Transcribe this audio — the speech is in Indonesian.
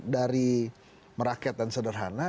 dari merakyat dan sederhana